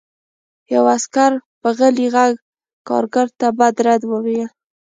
یوه عسکر په غلي غږ کارګر ته بد رد وویل